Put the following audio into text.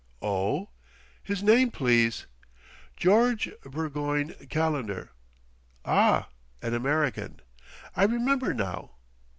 "Oh? His name, please?" "George Burgoyne Calendar." "Ah! An American; I remember, now.